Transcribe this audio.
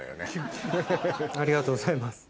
ありがとうございます。